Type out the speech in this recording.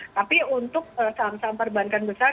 tapi untuk saham saham perbankan besar